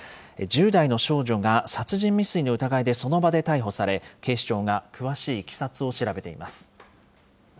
１０代の少女が殺人未遂の疑いでその場で逮捕され、警視庁が詳しいいきさつを調べています。